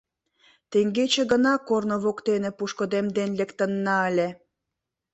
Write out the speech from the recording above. — Теҥгече гына корно воктене пушкыдемден лектынна ыле.